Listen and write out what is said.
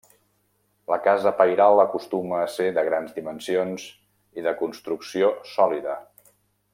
La casa pairal acostuma a ser de grans dimensions i de construcció sòlida.